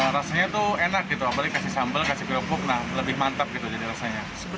rasanya tuh enak gitu apalagi kasih sambal kasih kerupuk lebih mantap rasanya